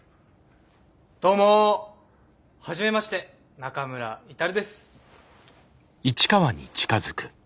どうもはじめまして中村達です。